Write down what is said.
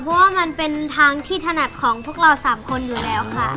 เพราะว่ามันเป็นทางที่ถนัดของพวกเรา๓คนอยู่แล้วค่ะ